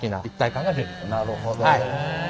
なるほど。